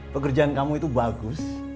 pekerjaan kamu itu bagus